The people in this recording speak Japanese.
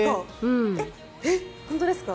本当ですか？